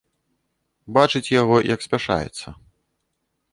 Бачыць яго, як спяшаецца.